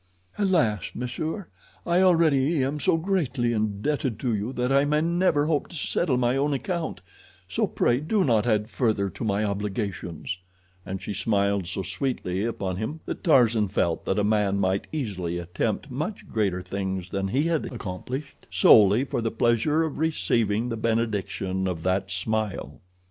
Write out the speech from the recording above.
"Alas, monsieur, I already am so greatly indebted to you that I may never hope to settle my own account, so pray do not add further to my obligations," and she smiled so sweetly upon him that Tarzan felt that a man might easily attempt much greater things than he had accomplished, solely for the pleasure of receiving the benediction of that smile.